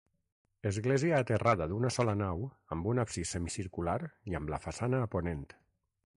Església aterrada d'una sola nau amb un absis semicircular i amb la façana a ponent.